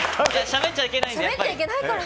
しゃべっちゃいけないから。